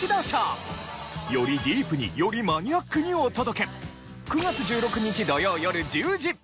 よりディープによりマニアックにお届け。